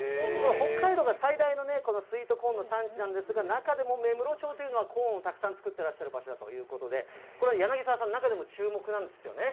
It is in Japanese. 北海道が最大のこのスイートコーンの産地なんですが、中でも芽室町というのは、コーンをたくさん作ってらっしゃる場所だということで、これ、柳澤さん、中でも注目なんですよね。